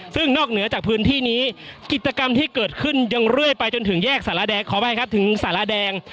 ซึ่งนอกเหนือจากพื้นที่นี้กิจกรรมที่เกิดขึ้นยังเรื่อยไปจนถึงแยกสารแดง